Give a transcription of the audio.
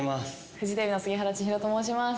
フジテレビの杉原千尋と申します。